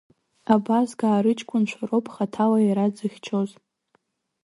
Абазгаа рыҷкәынцәа роуп хаҭала иара дзыхьчозгьы.